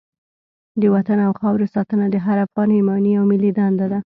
د وطن او خاورې ساتنه د هر افغان ایماني او ملي دنده ده.